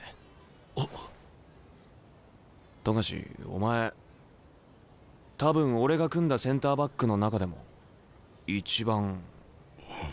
冨樫お前多分俺が組んだセンターバックの中でも一番。